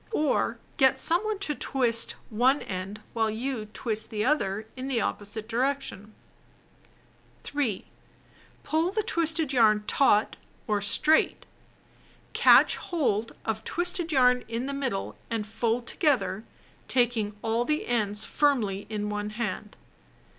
Or get some one else to twist one end while you twist the other in the opposite direction. 3. Pull the twisted yarn "taut" or straight. Catch hold of twisted yarn in the middle and fold together taking all the ends firmly in one hand.